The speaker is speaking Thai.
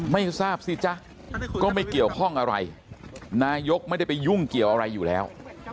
ไม่ทราบสิจ๊ะก็ไม่เกี่ยวข้องอะไรนายกไม่ได้ไปยุ่งเกี่ยวอะไรอยู่แล้ว